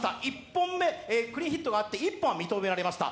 １本目、クリーンヒットがあって１本は認められました。